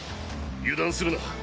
油断するな。